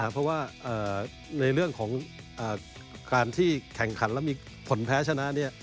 เพราะว่าในเรื่องของการที่แข่งขันแล้วมีผลแพ้ชนะ